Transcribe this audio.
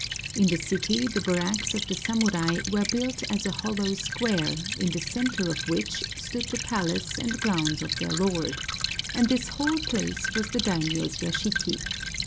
In the city the barracks of the samurai were built as a hollow square, in the centre of which stood the palace and grounds of their lord, and this whole place was the daimiō's yashiki.